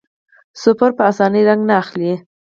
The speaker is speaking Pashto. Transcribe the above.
سپور په اسانۍ رنګ نه اخلي.